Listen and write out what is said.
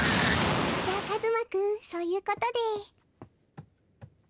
じゃあカズマ君そういうことで。